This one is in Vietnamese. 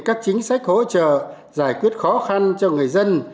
các chính sách hỗ trợ giải quyết khó khăn cho người dân